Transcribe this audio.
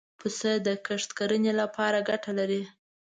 پسه د کښت کرنې له پاره ګټه لري.